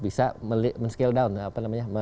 bisa men scale down apa namanya